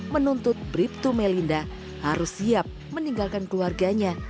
menuntut brip tu melinda harus siap meninggalkan keluarganya